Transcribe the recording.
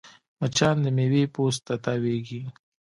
مچان د میوې پوست ته تاوېږي